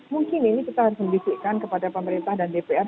mungkin ini kita harus membisikkan kepada pemerintah dan dpr